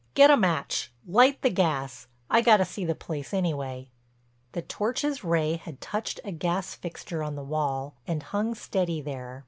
Get a match, light the gas—I got to see the place anyway." The torch's ray had touched a gas fixture on the wall and hung steady there.